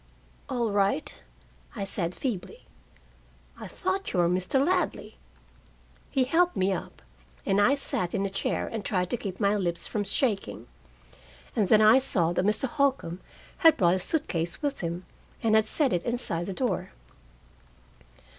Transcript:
"All right," I said feebly. "I thought you were Mr. Ladley." He helped me up, and I sat in a chair and tried to keep my lips from shaking. And then I saw that Mr. Holcombe had brought a suit case with him, and had set it inside the door.